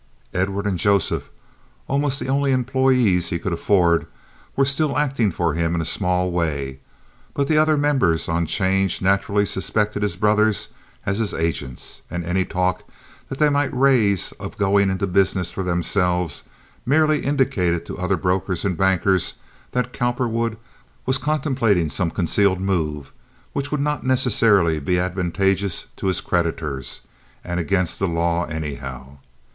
Edward and Joseph, almost the only employees he could afford, were still acting for him in a small way; but the other members on 'change naturally suspected his brothers as his agents, and any talk that they might raise of going into business for themselves merely indicated to other brokers and bankers that Cowperwood was contemplating some concealed move which would not necessarily be advantageous to his creditors, and against the law anyhow.